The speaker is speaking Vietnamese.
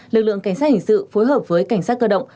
lực lượng cảnh sát hình sự phối hợp với cảnh sát cơ động